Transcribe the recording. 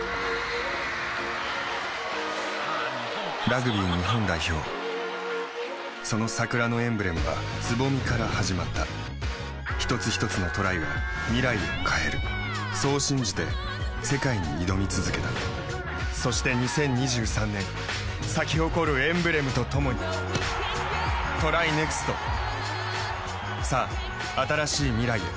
・ラグビー日本代表その桜のエンブレムは蕾から始まった一つひとつのトライが未来を変えるそう信じて世界に挑み続けたそして２０２３年咲き誇るエンブレムとともにＴＲＹＮＥＸＴさあ、新しい未来へ。